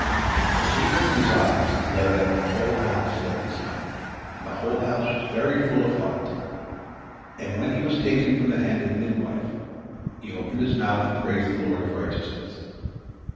When he opened his eyes, he lighted up the whole house, like the sun, and the whole house was very full of light. And when he was taken from the hand of the midwife, he opened his mouth and praised the Lord of righteousness.